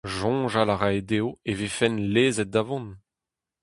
Soñjal a rae dezho e vefent lezet da vont.